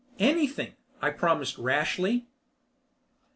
"Anything," I promised rashly.